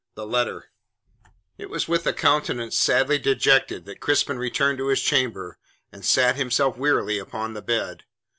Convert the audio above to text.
THE LETTER It was with a countenance sadly dejected that Crispin returned to his chamber and sate himself wearily upon the bed.